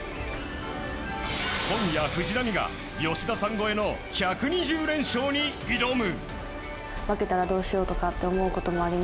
今夜、藤波が吉田さん超えの１２０連勝に挑む。